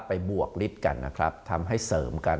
ไปบวกฤทธิ์กันทำให้เสริมกัน